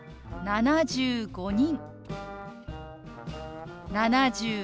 「７５人」。